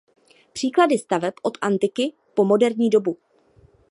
Příklady staveb od antiky po moderní dobu.